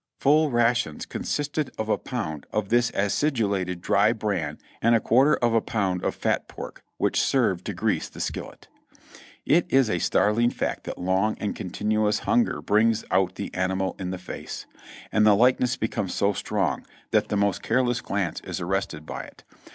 Full rations consisted of a pound of this acidulated dry bran and a quarter of a pound of fat pork, which served to grease the skillet. It is a startling fact that long and continuous hunger brings out the animal in the face, and the likeness becomes so strong that the most careless glance is arrested by it.